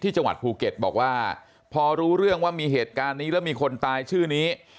จังหวัดภูเก็ตบอกว่าพอรู้เรื่องว่ามีเหตุการณ์นี้แล้วมีคนตายชื่อนี้